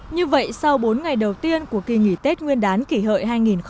như vậy sau bốn ngày đầu tiên của kỳ nghỉ tết nguyên đán kỷ hợi hai nghìn một mươi chín